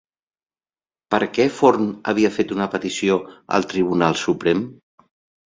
Per què Forn havia fet una petició al Tribunal Suprem?